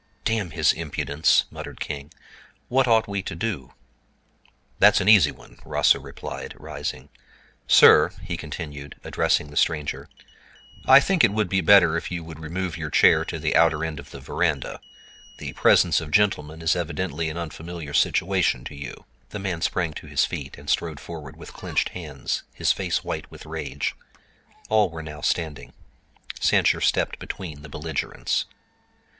"Damn his impudence!" muttered King—"what ought we to do?" "That's an easy one," Rosser replied, rising. "Sir," he continued, addressing the stranger, "I think it would be better if you would remove your chair to the other end of the veranda. The presence of gentlemen is evidently an unfamiliar situation to you." The man sprang to his feet and strode forward with clenched hands, his face white with rage. All were now standing. Sancher stepped between the belligerents.